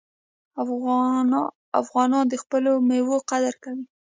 افغانان د خپلو میوو قدر کوي.